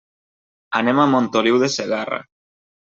Anem a Montoliu de Segarra.